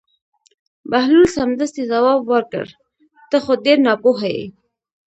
بهلول سمدستي ځواب ورکړ: ته خو ډېر ناپوهه یې.